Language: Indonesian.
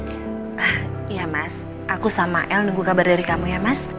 ah iya mas aku sama el nunggu kabar dari kamu ya mas